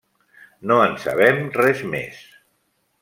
No en sabem res més.